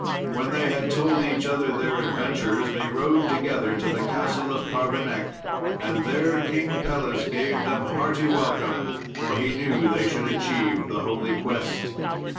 When they had told each other their adventures, they rode together to the Castle of Carbonek: and there King Pelles gave them hearty welcome, for he knew they should achieve the Holy Quest.